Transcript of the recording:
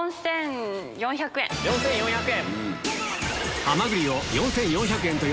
４４００円。